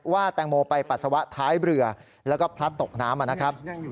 แตงโมไปปัสสาวะท้ายเรือแล้วก็พลัดตกน้ำนะครับ